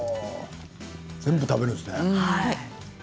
全部、食べるんですね。